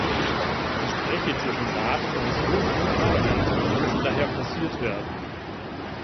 Die Gespräche zwischen Rat, Kommission und Parlament müssen daher forciert werden.